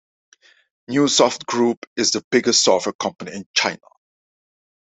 Neusoft Group is the biggest software company in China.